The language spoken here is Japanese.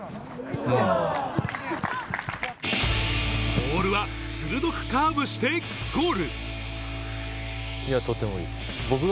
ボールは鋭くカーブして、ゴール。